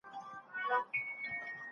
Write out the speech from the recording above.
که تمرین سوی وي نو وینا نه خرابېږي.